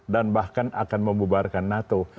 dan bahkan akan membubarkan nato